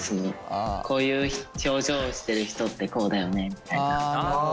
こういう表情してる人ってこうだよねみたいな。